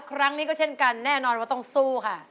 ครั้งนี้ก็เช่นกันแน่นอนว่าต้องสู้ค่ะ